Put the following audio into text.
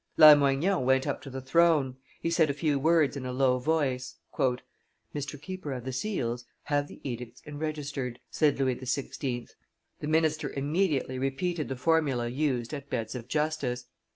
Lamoignon went up to the throne; he said a few words in a low voice. "Mr. Keeper of the seals, have the edicts enregistered," said Louis XVI. The minister immediately repeated the formula used at beds of justice.